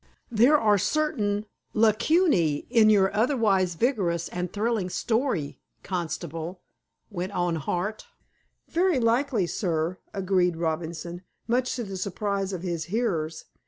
"There are certain lacunae in your otherwise vigorous and thrilling story, constable," went on Hart. "Very likely, sir," agreed Robinson, much to the surprise of his hearers.